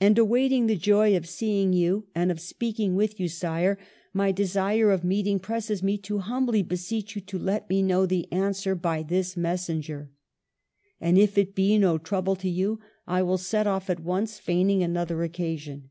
And awaiting the joy of seeing you and of speaking with you. Sire, my desire of meeting presses me to humbly beseech you to let me know the answer by this messenger. And if it be no trouble to you, I will set off at once, feigning another occasion.